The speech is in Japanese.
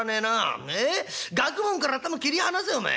学問から頭切り放せおめえ。